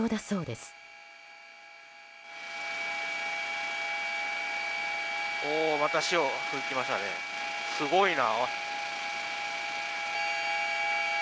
すごいな。